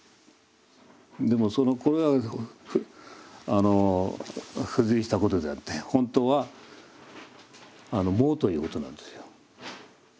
でもそのこれは付随したことであって本当は「も」ということなんですよ。